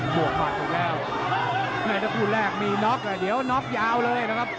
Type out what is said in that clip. บวกบัตรอีกแล้วในตระกูลแรกมีน็อคแต่เดี๋ยวน็อคยาวเลยนะครับ